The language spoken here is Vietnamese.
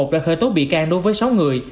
đã khởi tố bị can đối với sáu người